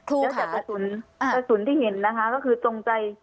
แล้วแต่กระสุนกระสุนที่เห็นนะคะก็คือตรงใจ